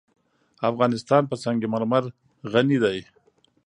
افغانستان په سنگ مرمر غني دی.